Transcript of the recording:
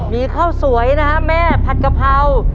มีข้าวสวยนะฮะแม่ผัดกะเพรา